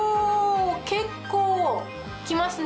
結構来ますね。